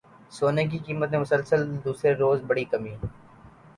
سونے کی قیمت میں مسلسل دوسرے روز بڑی کمی